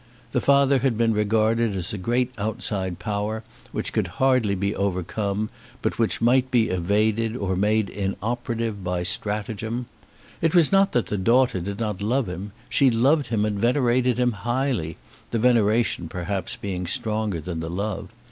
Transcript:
The father had been regarded as a great outside power, which could hardly be overcome, but which might be evaded, or made inoperative by stratagem. It was not that the daughter did not love him. She loved him and venerated him highly, the veneration perhaps being stronger than the love.